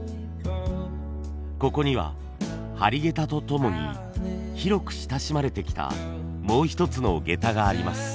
ここには張下駄とともに広く親しまれてきたもう一つの下駄があります。